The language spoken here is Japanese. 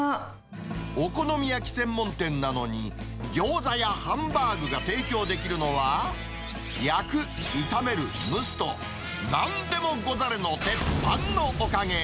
お好み焼き専門店なのに、ギョーザやハンバーグが提供できるのは、焼く、炒める、蒸すと、なんでもござれの鉄板のおかげ。